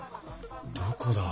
どこだ？